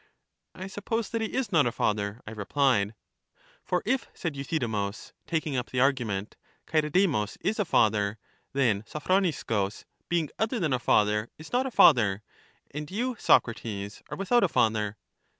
I suppose that he is not a father, I replied. For if, said Euthydemus, taking up the argument, Chaeredemus is a father, then Sophroniscus, being other than a father, is not a father ; and you, Socrates, are without a father.